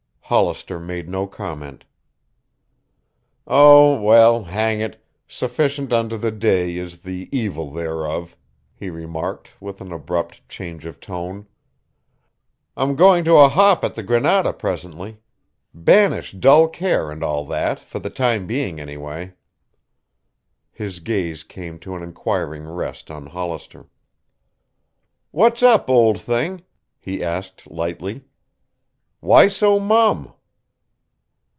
Hollister made no comment. "Oh, well, hang it, sufficient unto the day is the evil thereof," he remarked, with an abrupt change of tone. "I'm going to a hop at the Granada presently. Banish dull care and all that, for the time being, anyway." His gaze came to an inquiring rest on Hollister. "What's up, old thing?" he asked lightly. "Why so mum?"